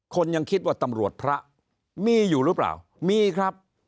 ยังคิดว่าตำรวจพระมีอยู่หรือเปล่ามีครับ